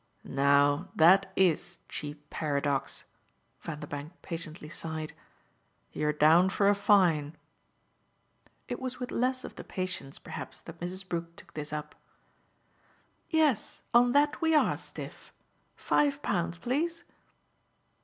"Now that IS cheap paradox!" Vanderbank patiently sighed. "You're down for a fine." It was with less of the patience perhaps that Mrs. Brook took this up. "Yes, on that we ARE stiff. Five pounds, please."